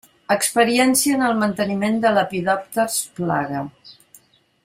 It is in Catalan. Experiència en el manteniment de Lepidòpters plaga.